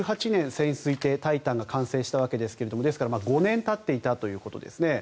潜水艇「タイタン」が完成したんですがですから、５年たっていたということですね。